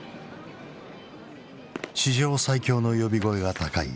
史上最強の呼び声が高い